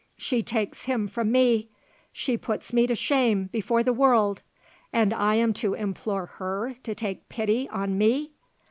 She takes him from me! She puts me to shame before the world! And I am to implore her to take pity on me!"